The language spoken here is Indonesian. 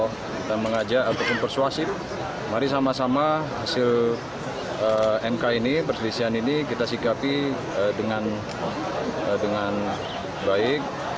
kita mengajak ataupun persuasif mari sama sama hasil mk ini perselisihan ini kita sikapi dengan baik